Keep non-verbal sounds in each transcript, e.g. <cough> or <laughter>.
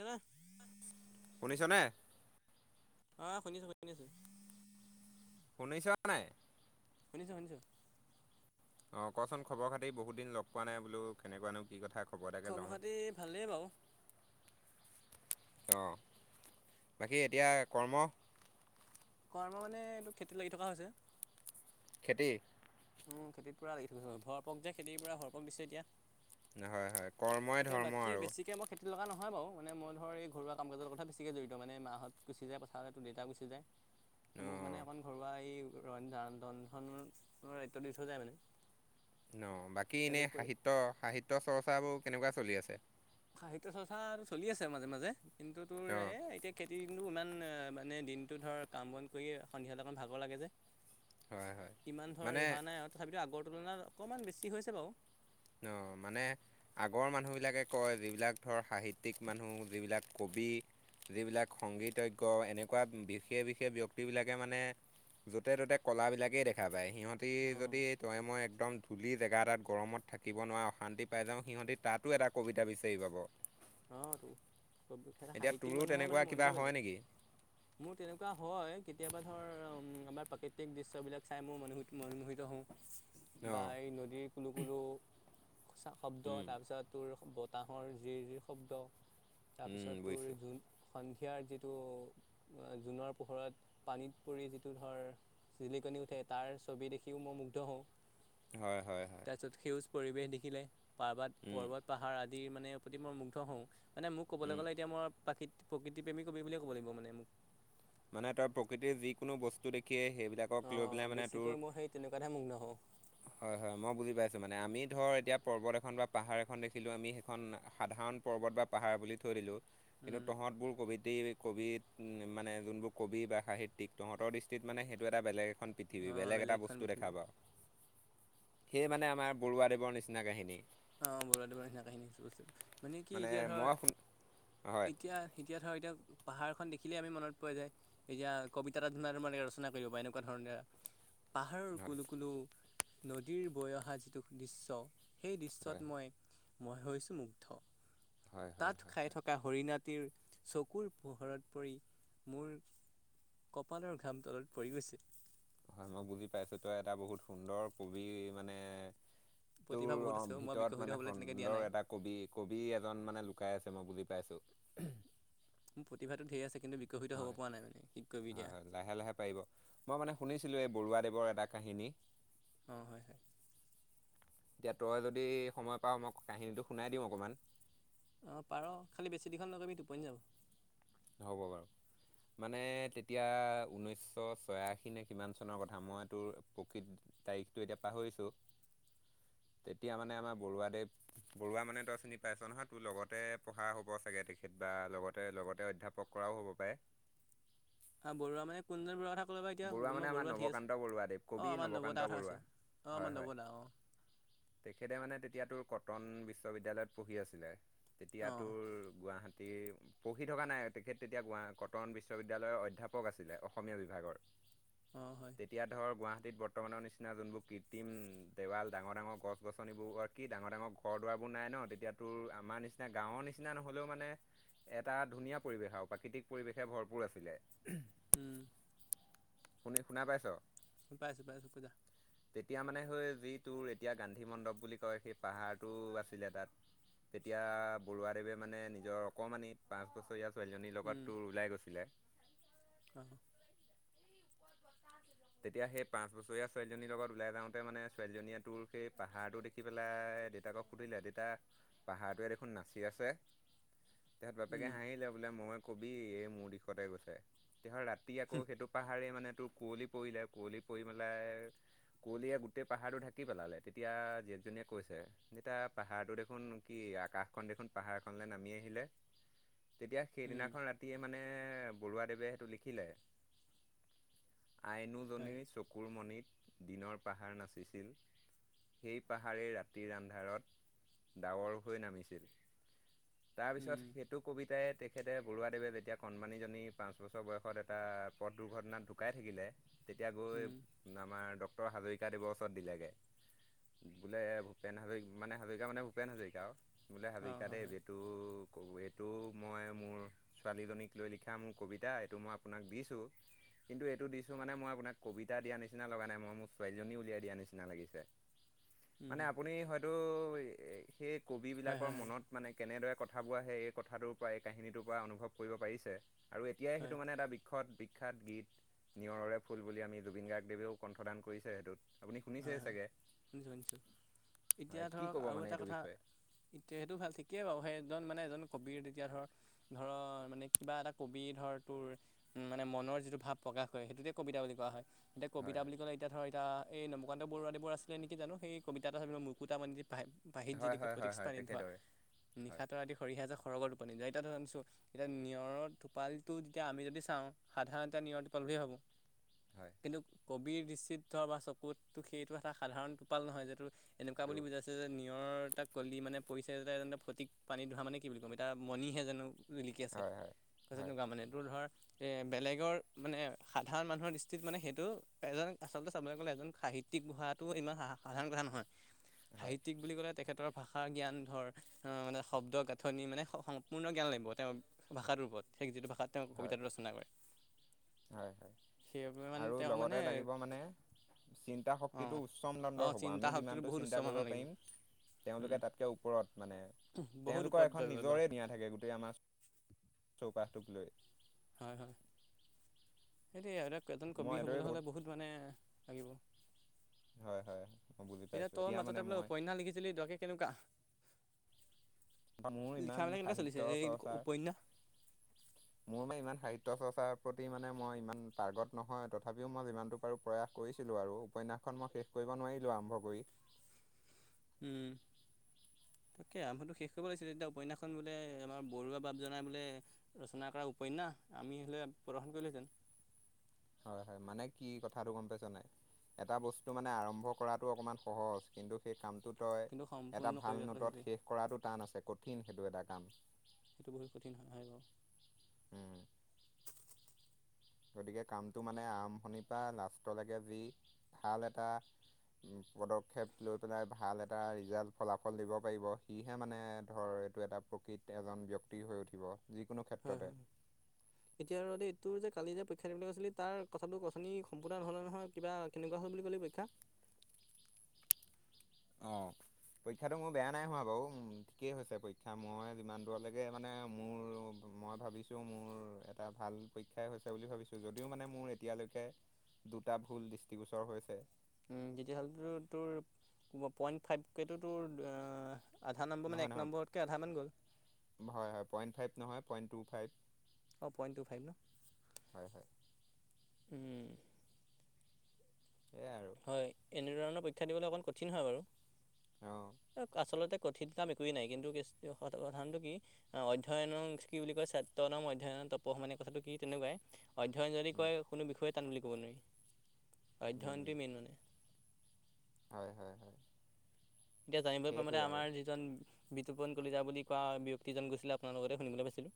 এানে শুনিছনে অ শুনিছো শুনিছো শুনিছোৱা নাই শনিছ শনিছ অ কচোন খবৰ খাতি বহুত দিন লগ পোৱা নাই বোলো কেনেকুৱানো কি কথা খবটাকে খবৰ লওঁ খাতি ভালেই বাৰু। অ বাকী এতিয়া কৰ্ম ক আমাৰ মানে এইটো খেতিত লাগি থকা হৈছে খেতি উম খেতিৰ পৰাূ থৈো ভৰপক যে খেতিৰ পৰা ভৰপক দিছে এতিয়া হয় হয় কৰ্মই ধৰ্ম আৰু খেতি লগা নহয় বাৰু মানে মই ধৰ এই ঘৰুৱা কাম কাজৰ কথা বেছিকৈ জড় মোহঁতুচি যায় পথাৰতে তোৰ দেউাুচি যায় মোক মানে অ' অকণ ঘৰুৱা এই ৰ ৰন্নৰ দায়িত্ব দি থোৱা যায় মানে ন বাকী তাকে এনেই কৰি সাহিত্য সাহিত্্য চৰ্চাবোৰ কেনেকুৱা চলি আছে সাহিত্যয় চৰ্চাটো চলি আছে মাজে মাজে কিন্তুো অ এতিয়া খেতি দো ইমান মানে দিনতটো ধৰ কাম বন কৰি সন্ধিয়াল অকমান ভাগৰ লাগে যে হয় হয়। ইমান মানে ধৰি অহা নাই আৰু তথাপিতো আগৰ তুলনাত অকণমান বেছি হৈছে বাৰু অ মানে আগৰ মানুহবিলাকে কয় যিবিলাক ধৰ সাহিত্যিক মানুহ যিবিলাক কবি যিবিলাক সংগীতজ্ঞ এনেকুৱা বিশেষ বিশেষ ব্যয়ক্তিবিলাকে মানে য'তে ত'তে ক'লাবিলাকেই দেখা যায় সিহঁতি অঁ যদি তয়ে মই একদম ধূলি জেগা এটাত গৰমত থাকে থাকিব নোৱাৰে অশান্তি পাই যাওঁ সিহঁতি তাতো এটা কবিতা বিচাৰি পাব অ তোৰ এতিয়া তোৰো তেনেকুৱা কিবা হয় বেলেগ নেকি মোৰ তেনেকুৱা হয় কেতিয়াবা ধৰ আমাৰ প্ৰাকৃতিক দৃশ্যবিলাক চাই মোৰ মনো মনমোহিত হওঁ বা অ' এই নদীৰ কোনো কোনো শব্দ উম, তাৰপিছত তোৰ তাঁাহৰ জিৰ জিৰ শব্দ উম, তাৰপিছত তোৰ বুজিছোঁ জোন সন্ধিয়াৰ যিটো জোনৰ পোহৰত পানীত পৰি যিটো ধৰ জিলিকনি উঠে তাৰ ছবি দেখিও মই মুগ্ধ হওঁ হয় হয় হয় তাৰপিছত সেউজ পৰিৱেশ দেখিলে পাৰ্বত উম, পৰ্বত পাহাৰ আদিৰ মানে প্ৰতি মোৰ মু হওঁ মানে মোক ক'বলৈ উম। গ'লে এতিয়া মই প্ৰাকৃ প্ৰকৃতি প্ৰেমী কবি বুলিয় ক'ব লাগিব মানে মোক মানে তই প্ৰকৃতিৰ যিকোনো বস্তু দেখিয়ে সেইবিলাক অ বেছিকৈ মই সেই তেনেকুৱা ধে মগ নহওঁ হয় হয় মই বুজি পাইছো মানে, আমি ধৰ এতিয়া পৰ্বত এখন বা পাহাৰ এখন দেখিলো আমি সেইখন সাধাৰণ পৰ্বত বা পাহাৰ বুলি থৈ দিলোঁ, কিন্তু তহঁতবোৰ কবিতেই কবিত মানে- যোনবোৰ কবি বা সাহিত্যিক, তহঁৰ দৃষ্টিত মানে সেইটো এটা বেলেগ এ পৃথিৱী অ বেলেগ এটা বেলেগখন বস্তু পৃথিৱী দেখা পাওঁ- সেয়ে মানে আমাৰ বৰুৱাদেৱৰ নিচিনা কাহিনী, অঁ অ বৰুৱা দেৱৰ কাহিনী, আ বস্তু মানে কি এতিয়া মই ধৰ শুন হয় এতিয়া এতিয়া ধৰক এতিয়া, পাহাৰখন দেখিলেই আমি মনত পোৱা যায়- এতিয়া কবিতা এটা ধুনাৰ মানে ৰচনা কৰিব বা এনেকুৱা ধৰণে- পাহাৰৰ হয় কুলো কুলো নদীৰ বৈ অহা যিটো দৃশ্য, সেই দৃশ- হয় মই মই হৈছোঁ মুগ্ধ, হয় হয় তাত হয় খাই থকা হৰিণাটিৰ, চকুৰ পোহৰত পৰি মোৰ- কপালৰ ঘাম তলত পৰি গৈছে হয় মই বুজি পাইছো, তই এটা বহুত সুন্দৰ কবি মানে- প্ৰতিভা তোৰ বহুত অ আছে মই ভিতৰত বিকশিত মানে হ'বলৈ তেনেকৈ দিয়া নাই সুন্দৰ এটা- কবি কবি এজন মানে লুকাই আছে, মই বুজি পাইছোঁ। মোৰ প্ৰতিভাটো ধেৰ আছে, কিন্তু বিকশিত হয় হ'ব পৰা নাই মানে শিক্ষক হয় বিদা- হয় লাহে লাহে পাৰিব- মই মানে শুনিছিলোঁ, এই বৰুৱাদেৱৰ এটা কাহিনী- অ হয় হয় এতিয়া তই যদি সময় পাৱ মই কাহিনীটো শুনাই দিম অকণমান। অঁ পাৰ, খালি বেছি দীঘল নকৰিবি টোপনি যাব। হ'ব বাৰু- মানে তেতিয়া ঊনৈছশ ছয়াশী নে কিমান চনৰ কথা, মই তোৰ প্ৰকৃত- তাৰিখটো এতিয়া পাহৰিছো, তেতিয়া মানে আমাৰ বৰুৱাদেৱ- বৰুৱা মানে তই চিনি পাইছ নহয়, তোৰ লগতে পঢ়া হ'ব চাগে তেখেত বা লগতে লগতে অধ্যাপক কৰাও হ'ব পাৰে। হাঁ বৰুৱা মানে কোনজন বৰুৱা কথা ক'লে বা এতিয়া, মানে আমাৰ বৰুৱা ধেৰ আছে নৱকান্ত বৰুৱাদেৱ কবি অঁ আমাৰ নবৌ নৱকান্ত দাৰ কথা বৰুৱা আছে, অ হয় আমাৰ হয় নবৌ দা অ তেখেতে মানে তেতিয়াতোৰ কটন বিশ্ববিদ্যালয়ত পঢ়ি আছিলে। অঁ তেতিয়াতোৰ গুৱাহাটীৰ পঢ়ি থকা নাই তেখেত তেতিয়া গোৱা কটন বিশ্ববিদ্যালয়ৰ অধ্যাপক আছিলে অসমীয়া বিভাগৰ অ হয়, তেতিয়া ধৰক গুৱাহাটীত বৰ্তমানৰ নিচিনা জোনবোৰ কৃত্ৰিম দেৱাল ডাঙৰ ডাঙৰ গছ গছনিবোৰ- কি ডাঙৰ ডাঙৰ ঘৰ দুৱবোৰ নাই ন, তেতিয়াতোৰ আমাৰ নিচিনা গাঁৱৰ নিচিনা নহলেও মানে? এটা ধুনীয়া পৰিৱেশ আৰু প্ৰাকৃতিক পৰিৱেশে ভৰপূৰ আছিলে। উম শুনি শুনা পাইছ অ, পাইছো পাইছো কই যা- তেতিয়া মানে স যি তোৰ এতিয়া গান্ধী মণ্ডপ বুলি কয়, সেই পাহাৰটো আছিলে তাত- তেতিয়া বৰুৱাদেৱে মানে নিজৰ অকণমানি পাঁচ বছৰীয়া ছোৱালীজনীৰ উম লগতো, ওলাই গৈছিলে। অঁ তেতিয়া সেই পাঁচ বছৰীয়া ছোৱালীজনীৰ লগত ওলাই যাওঁতে মানে ছোৱালীজনীয়ে টোৰ সেই পাহাৰটো দেখি- দেখি পেলাই দেউতাকক সুধিলে দেউতা পাহাৰটোৱে দেখোন নাচি আছে? তহঁত বাপেকে উম হাঁহিলে বোলে মই কবি এই মোৰ দিশতে গৈছে তেহ ৰাতি আকৌ সেইটো পাহাৰ মানে তোৰ কুঁৱলী পৰিলে কুঁৱলী পৰি মেলাই কুঁৱলীয়ে গোটেই পাহাৰটো ঢাকি পেলালে তেতিয়া জীয়েকজনীয়ে কৈছে? যেতিয়া পাহাৰটো দেখোন কি আকাশখন দেখোন পাহাৰখনলে নামি আহিলে। তেতিয়া উম সেইদিনাখন ৰাতিয়ে মানে বৰুৱাদেৱে সেইটো লিখিলে। হয় আইনোজনীৰ চকুৰমণিত দিনৰ পাহাৰ নাচিছিল। সেই পাহাৰেই ৰাতিৰ আন্ধাৰত ডাৱৰ হৈ নামিছিল। উম তাৰপিছত সেই টো কবিতাই তেখেতে বৰুৱাদেৱে যেতিয়া কণমানীজনী পাঁচ বছৰ বয়সত এটা পথ দুৰ্ঘটনাত ঢুকায়। থাকিলে তেতিয়া গৈ উম আমাৰ ডক্টৰ হাজৰিকাদেৱৰ ওচৰত দিলেগে। বোলে ভূপেন হাজৰি মানে হাজৰিকা মানে ভূপেন হাজৰিকা আও বোলে অঁ হাজৰিকা হয় দেৱ হয় এইটো। টো এইটো মই মোৰ ছোৱালীজনীক লৈ লিখা মোৰ কবিতা এইটো মই আপোনাক দিছোঁ। কিন্তু এ টো দিছো মানে মই আপোনাক কবিতা দিয়া নিচিনা লগা নাই মই মোৰ ছোৱালীজনী উলিয়াই দিয়া নিচিনা লাগিছে। উম মানে আপুনি হয়তো এ সেই কবি হয় বিলাকৰ হয় হয় মনত। মানে কেনেদৰে কথা বোৰ আহে এই কথাটোৰ পৰা, এই কাহিনীটোৰ পৰা অনুভৱ কৰিব পাৰিছে! আৰু এতিয়াই হয় সেইটো মানে এটা বিখ্যত বিখ্যাত গীত। নিয়ৰৰে ফুল বুলি আমি জুবিন গাৰ্গদেৱেও কণ্ঠদান কৰিছে সেইটোত। আপুনি হয় শুনিছেই হয় চাগে, শুনিছোঁ শুনিছোঁ এতিয়া হয়! কি ধৰক কব আৰু মানে এটা এইটো কথা বিষয়ে? এতিয়া সেইটো ভাল ঠিকেই বাৰু সেইজন মানে এজন কবিৰ তেতিয়া ধৰ ধৰ মানে কিবা এটা কবি ধৰ তোৰ। মানে মনৰ যিটো ভাৱ প্ৰকাশ কৰে সেইটোতে কবিতা বুলি কোৱা হয় এতিয়া হয় কবিতা বুলি ক'লে এতিয়া ধৰক এতিয়া। এই নবকান্ত বৰুৱাদেৱৰ আছিলে নেকি জানো সেই কবিতা এটা চাবি মকুতা মণিটিৰ পাহি পাহিত হয় হয় জিলিকে হয় স্ফটিক হয় হয় পানী ধোৱা তেখেতৰে হয় নিশা তৰাদি সৰিহে যায় সৰগৰ টোপনি যোৱা এতিয়া ধৰি আনিছোঁ। এতিয়া নিয়ৰৰ টোপালটো যেতিয়া আমি যদি চাওঁ, সাধাৰণতে নিয়ৰৰ টোপাল বুলিয়ে ভাবোঁ। হয় কিন্তু কবিৰ দৃষ্টিত থোৱা চকুত টো সেইটো এটা সাধাৰণ টোপাল নহয় যিটো এনেকুৱা এইটো বুলি বুজাইছে যে নিয়ৰ এটা। কলি মানে পৰিছে যে ফটিক পানী ধোৱা মানে কি বুলি ক'ম এতিয়া মণিহে জানো জিলিকি আছে! হয় হয় কৈছে হয় তেনেকুৱা মানে তোৰ ধৰ এ বেলেগৰ মানে, সাধাৰণ মানুহৰ দৃষ্টিত মানে, সেইটো এজন আচলতে, চাবলৈ গ'লে, এজন সাহিত্যিক হোৱাটো ইমান সা সাধাৰণ কথা নহয় হয় সাহিত্যিক বুলি ক'লে তেখেতৰ ভাষাৰ জ্ঞান ধৰ অ', মানে শব্দ গাঁঠনি মানে স সম্পূৰ্ণ জ্ঞান লাগিব তেওঁ ভাষাটোৰ ওপৰত ঠিক যিটো ভাষা তাত তেওঁ হয় কবিতাটো ৰচনা কৰে। হয়, হয়, সেইবাবে মানে আৰু তেওঁ মানে লগতে লাগিব মানে। চিন্তা শক্তিটো অঁ উচ্চম দণ্ডৰ অঁ হ'ব চিন্তা আমি শক্তিটো যিমানটো বহুত উচ্চ চিন্তা কৰিব মানৰ লাগিব পাৰিম, উম তেওঁলোকে তাত কে ওপৰত মানে বহুত তেওঁলোকৰ উপদ্ৰৱ এখন বা নিজৰে দ থাকে, গোটেই আমাৰ চৌ চৌপাশটোক লৈ। হয়-হয়, সেইটোৱে আৰু এতিয়া এজন মই কবি এইদৰে হ'বলৈ হ'লে বহুত মানে লাগিব। হয়-হয়, হ এতিয়া তই মাজতে বোলে উপন্যাষ লিখিছিলি <inaudible> কেনেকুৱা? <unintelligible> মোৰ ইমান লিখাবিলাক কেনেকুৱা চলিছে সাহিত্য এই চৰ্চাৰ। উপন্যাস মোৰ মানে ইমান সাহিত্য চৰ্চাৰ প্ৰতি মানে মই ইমান পাৰ্গত নহয়, তথাপিও মই যিমানটো পাৰোঁ। প্ৰয়াস কৰিছিলোঁ আৰু উপন্যাসখন মই শেষ কৰিব নোৱাৰিলোঁ আৰম্ভ কৰি। উম। তাকে আৰম্ভণিটো শেষ কৰিব লাগিছিলে এতিয়া উপন্যাসখন বোলে আমাৰ বৰুৱা বাপ জনাই বোলে। ৰচনা কৰা উপন্যাস আমি হ'লে প্ৰদৰ্শন কৰিলোহেঁতেন। হয়-হয়, মানে কি কথাটো গম পাইছ নাই? এটা বস্তু মানে আৰম্ভ কৰাটো অকমান সহজ, কিন্তু সেই কামটোত- তয় কিন্তু এটা সম্পূৰ্ণ কৰি ভাল পেলাই নোটত সেইটোৱে শেষ কৰাটো টান আছে! কঠিন সেইটো এটা কাম। সেইটো বহুত কঠিন হয়। উম গতিকে কামটো মানে আৰম্ভণিৰ পৰা লাষ্টলৈকে যি ভাল এটা- পদক্ষেপ লৈ পেলাই ভাল এটা ৰিজাল্ট ফলাফল দিব পাৰিব, সিহে মানে ধৰ- টো এটা প্ৰকৃত এজন ব্যক্তি হৈ উঠিব। যিকোনো হয় ক্ষেত্ৰতে হয়। এতিয়া আৰু দেই তোৰ যে কালি যে পৰীক্ষা দিবলৈ কৈছিলে তাৰ কথাটো অঠনি সম্পূৰ্ণ নহ'লে নহয় কিবা- কেনেকুৱা হ'ল বুলি ক'লি পৰীক্ষা? অঁ। পৰীক্ষাটো মোৰ বেয়া নাই হোৱা বাৰু ঠিকেই হৈছে পৰীক্ষা মই যিমান দূৰলৈকে মানে মোৰ- মই ভাবিছোঁ, মোৰ এটা ভাল পৰীক্ষাই হৈছে বুলি ভাবিছোঁ! যদিও মানে মোৰ এতিয়ালৈকে- দুটা ভুল দৃষ্টিগোচৰ হৈছে। উম' তেতিয়াহ'লেতো তোৰ পইণ্ট ফাইভকেটো তোৰ এঁ- আধা নম্ব নহয় মানে, এক নহয় নম্বৰতকৈ আধামান গ'ল! হয়, হয়, পইণ্ট ফাইভ নহয়! Point two five. অ', পইণ্ট টু ফাইভ ন, হয় হয় উম' এইয়াই আৰু। হয়, এনেধৰণৰ পৰীক্ষা দিবলৈ অকমাণ কঠিন হয় বাৰু, অঁ এ আচলতে- কঠিন কাম একোৱেই নাই কিন্তু কেচটো সামাধানটো কি- আ অধ্যয়নং কি বুলি কয় সত্যনম অধ্যয়নং তপঃ মানে কথাটো কি তেনেকোৱাই। অধ্যয়ন যদি কৰে কোনো বিষয়ে টান বুলি ক'ব নোৱাৰি অধ্যয়নটোৱেই মেইন মানে। হয় হয় হয়। এতিয়া জানিবলৈ পোৱামতে সেইটোৱেই আৰু আমাৰ যিজন- বিতুপন কলিতা বুলি কোৱা ব্যক্তিজন গৈছিলে আপোনাৰ লগতে শুনিবলে পাইছিলোঁ।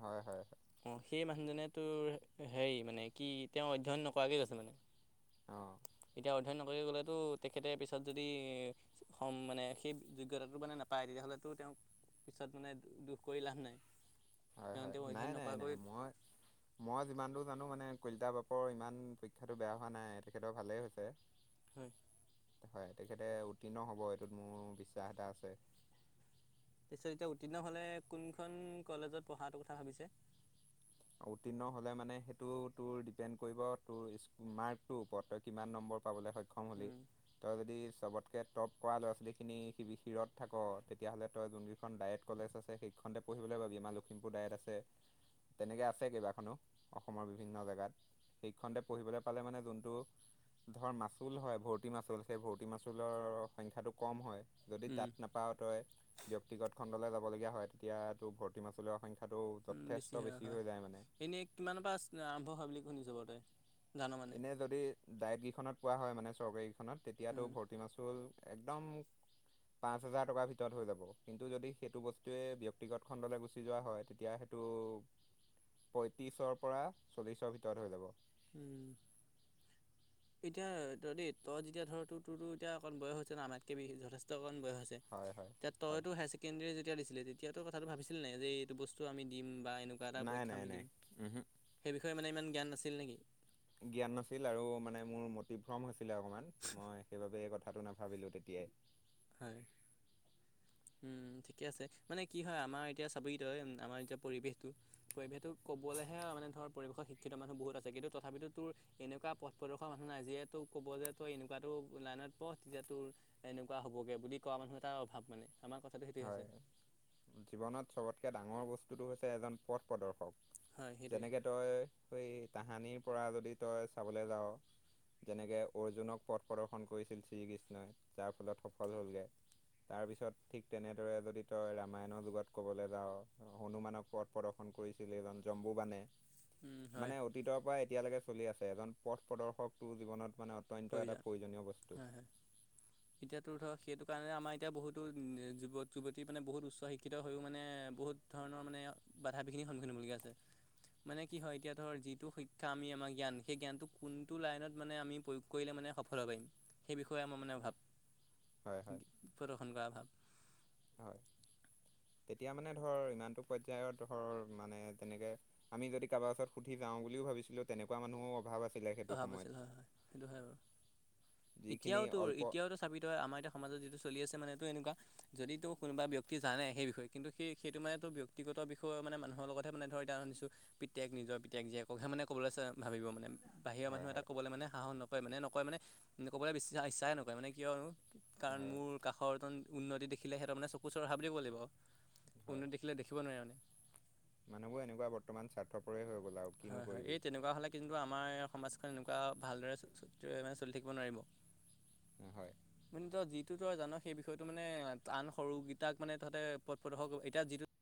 হয় হয় হয়। অঁ সেই মানুহজনে তোৰ হেৰি মানে কি তেওঁ অধ্যয়ন নকৰাকে গৈছে মানে। অঁ এতিয়া অধ্যয়ন নকৰি গ'লেতো তেখেতে পিছত যদি- সম মানে সেই যোগ্যতাটো মানে নাপায় তেতিয়াহ'লেতো তেওঁক- পিছত মানে দুখ কৰি লাভ নাই হয় তেওঁ হয় তেওঁ নাই অধ্যয়ন নাই নাই নকৰাকৈ- মই মই যিমান দূৰ জানো মানে কলিতা বাপৰ ইমান পৰীক্ষাটো বেয়া হোৱা নাই তেখেতৰ ভালেই হৈছে। হয়। হয়, তেখেতে উত্তীৰ্ণ হ'ব এইটোত মোৰ বিশ্বাস এটা আছে। পিছে এতিয়া উত্তীৰ্ণ হলে কোনখন কলেজত পঢ়াটো কথা ভাবিছে। উত্তীৰ্ণ হ'লে মানে সেইটো তোৰ ডিপেণ্ড কৰিব তোৰ মাৰ্কটোৰ ওপৰত তই কিমান নম্বৰ পাবলৈ হয়- ক্ষম হলি উম তই যদি চবতকে টপ- কৰা ল'ৰা ছোৱালীখিনি শি শিৰত থাক তেতিয়াহ'লে তই যোনকেইখন ডায়েট কলেজ আছে সেইখনতে- পঢ়িবলৈ পাবি আমাৰ লখিমপুৰ ডায়েত আছে। তেনেকে আছে কেইবাখনো অসমৰ বিভিন্ন জেগাত সেইকেইখনতে পঢ়িবলৈ পালে মানে যোনটো- ধৰ মাচুল হয় ভৰটি মাচুল সেই ভৰটি মাচুলৰ সংখ্যাটো কম হয়। যদি উম তাত নাপাও তই ব্যক্তিগত খণ্ডলৈ যাব লগীয়া হয় তেতিয়া তোৰ ভৰ্তি মাচুল সংখ্যা- টো উম যথেষ্ট। বেছি হয় বেছি হয়, হৈ যায় মানে এনেই কিমানৰ পাছ আৰম্ভ হয় বুলি শুনিছ বাৰু তই। জান মানে এনে যদি ডায়েক গিখনত পোৱা হয় মানে চৰকাৰীগিখনত তেতিয়াতো উম ভৰ্তি- মাচুল একদম- পাঁচ হাজাৰ টকাৰ ভিতৰত হৈ যাব কিন্তু যদি সেইটো বস্তুৱে ব্যক্তিগত খণ্ডলৈ গুচি যোৱা হয় তেতিয়া টো পয়ত্ৰিশৰ পৰা চল্লিশৰ ভিতৰত হৈ যাব উম এতিয়া তই দেই তই যেতিয়া ধৰ তো তোৰতো এতিয়া অকণ বয়স হৈছে ন আমাতকে বি যথেষ্ট অকণ বয়স হৈছে হয় হয় যে হয় তইতো হায়াৰ চেকেণ্ডেৰী যেতিয়া দিছিল তেতিয়াাতো কথাটো ভাবিছিল নে যে এইটো বস্তু আমি দিম বা এনো কিবা এটা নাই পৰীক্ষা নাই আমি দিম নাই উহু সেই বিষয়ে মানে ইমান জ্ঞান নাছিল নেকি জ্ঞান নাছিল আৰু মানে মোৰ মটিভ্ৰম হৈছিলে অকণমান মই সেইবাবে এই কথাটো নাভ ভাবিলো তেতিয়াই হয় উম ঠিকে আছে মানে কি হয় আমাৰ এতিয়া চাবি তোই আমাৰ এতিয়া পৰিৱেশটো পৰিৱেশটো ক'বলৈহে আৰু মানে ধৰ পৰিৱেশত শিক্ষিত মানুহ বহুত আছে কিন্তু তথাপিতো তোৰ এনেকোৱা পথ প্ৰদৰ্শ মানুহ নাই যিয়ে তোক কব যে তই এনেকোৱাতো লাইনত পঢ় তেতিয়া তোৰ কোৱা হবগে বুলি কোৱা মানুহ এটাৰ অভাৱ মানে আমাৰ কথাটো সেইটোয়ে হৈছে হয় জীৱনত সবতকে ডাঙৰ বস্তুটো হৈছে এজন পথ প্ৰদৰ্শক হয় সেইটোৱে যেনেকে তই সেই তাহানিৰ পৰা যদি তই চাবলৈ যাও যেনেকে অৰ্জুনক পথ প্ৰদৰ্শন কৰিছিল শ্ৰীকৃষ্ণই যাৰ ফলত সফল হ'লগে তাৰ পিছত ঠিক তেনেদৰে যদি তই ৰামায়নৰ যুগত কবলৈ যাও হনুমানক পথ প্ৰদৰ্শন কৰিছিল এজন জম্বু বানে উম হয় মানে অতীতৰ পৰা এতিয়ালৈকে চলি আছে এজন পথ প্ৰদৰ্শকটো জীৱনত মানে অত্যন্ত এটা প্ৰয়োজনীয় বস্তু প্ৰয়োজন হয় হয় <inaudible> এতিয়াতো ধৰক সেইটো কাৰণে আমাৰ এতিয়া বহুতো যুৱক যুৱতী মানে বহুত উচ্চ শিক্ষিত হৈওঁ মানে বহুত ধৰণৰ মানে বাধা বিঘিনিৰ সন্মুখীন হ'বলগীয়া হৈছে। মানে কি হয় এতিয়া ধৰ যিটো শিক্ষা আমি আমাৰ জ্ঞান সেই জ্ঞানটো কোনটো লাইনত মানে আমি প্ৰয়ো কৰিলে মানে সফল হ'ব পাৰিম সেই বিষয়ে আমাৰ মানে অভাৱ, হয় হয় প্ৰদৰ্শন কৰাৰ অভাৱ। হয়, তেতিয়া মানে ধৰ ইমানটো পৰ্যায়ত ধৰ মানে তেনেকে আমি যদি কাৰোব ওচৰত সুঠি যাওঁ বুলিও ভাবিছিলো তেনেকুৱা মানুহৰ অভাৱ আছে। অভাৱ আছিল হয় হয় সেইটো হয় বাৰু, যিখিনি এতিয়াও তোৰ অল্প এতিয়াও চাবি তই আমাৰ এতিয়া সমাজত যিটো চলি আছে মানে এইটো এনেকোৱা যদিতো কোনোবা ব্যক্তিয়ে জানে সেই বিষয়ে কিন্তু সেই সেইটো মানে তো ব্যক্তিগত বিষয় মানে মানুহৰ লগতহে মানে ধৰ এতিয়া শুনিছোঁ পিতেক নিজৰ পিতেক জীয়েকহে মানে ক'বলৈ ভাবিব মানে। বাহিৰৰ হয় মানুহ এটা হয় ক'বলৈ মানে সাহস নকৰে মানে নকয় মানে ক'বলৈ বিছ ইচ্ছাহে নকৰে মানে কিয়ো কাৰণ হয় মোৰ কাষৰ জন উন্নতি দেখিলে সিহঁতক চকু চৰহা বুলি ক'ব লাগিব। হয় উন্নত দেখিলে দেখিব নোৱাৰে মানে। মানুহবোৰ এনেকুৱা বৰ্তমান স্বাৰ্থপৰে হৈ গ'ল আৰু। কিনো হয় হয় কৰিবি এই তেনেকুৱা হ'লে কিন্তু আমাৰ সমাজখন এনেকুৱা ভালদৰে মানে চ চ- চলি থাকিব নোৱাৰিব। <unintelligible> হয় <unintelligible> জানো সেই বিষয়টো মানে আন সৰুকেইটাক মানে তাহতে পথ প্ৰদৰ্শক এতিয়া যিটো